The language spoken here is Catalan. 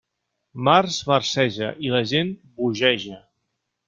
Març marceja... i la gent bogeja.